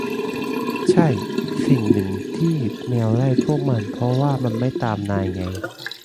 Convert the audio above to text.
ใช่ สิ่งหนึ่งที่แมวไล่พวกมันเพราะว่ามันไม่ตามนายไง